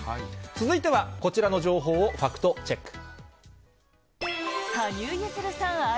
続いては、こちらの情報をファクトチェック。